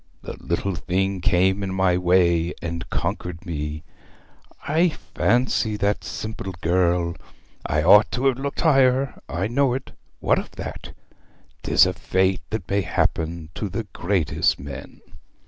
The little thing came in my way, and conquered me. I fancy that simple girl! I ought to have looked higher I know it; what of that? 'Tis a fate that may happen to the greatest men.'